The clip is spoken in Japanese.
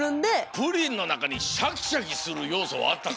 プリンのなかにシャキシャキするようそはあったか？